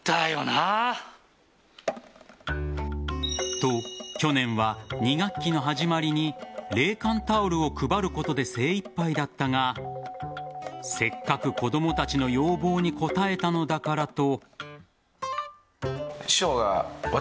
と、去年は２学期の始まりに冷感タオルを配ることで精いっぱいだったがせっかく、子供たちの要望に応えたのだからと。